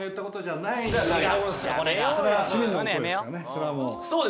それはもう。